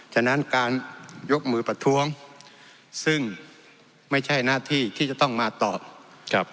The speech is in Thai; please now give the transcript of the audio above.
ฉะนั้นการยกมือประท้วงซึ่งไม่ใช่หน้าที่ที่จะต้องมาตอบครับ